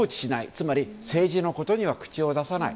つまり政治のことには口を出さない。